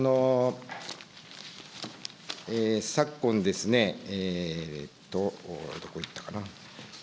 昨今ですね、どこいったかな。